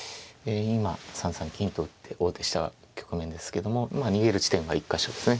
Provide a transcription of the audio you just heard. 今３三金と打って王手した局面ですけども逃げる地点は１か所ですね。